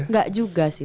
nggak juga sih